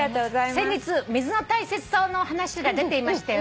「先日水の大切さの話が出ていましたよね」